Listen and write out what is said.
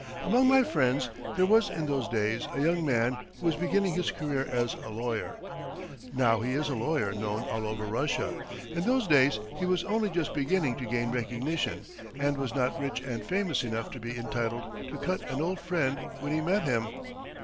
... "Among my friends there was in those days a young man who was beginning his career as a lawyer. Now he is a lawyer known all over Russia; in those days he was only just beginning to gain recognition and was not rich and famous enough to be entitled to cut an old friend when he met him.